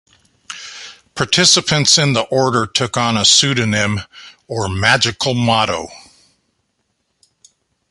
Participants in the Order took on a pseudonym or "magical motto".